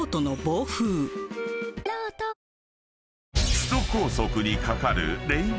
［首都高速に架かる］